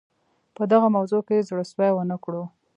په دغه موضوع کې زړه سوی ونه کړو.